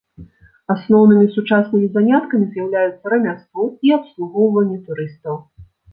Асноўнымі сучаснымі заняткамі з'яўляюцца рамяство і абслугоўванне турыстаў.